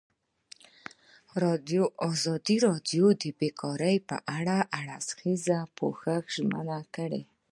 ازادي راډیو د بیکاري په اړه د هر اړخیز پوښښ ژمنه کړې.